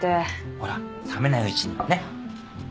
ほら冷めないうちにねっ。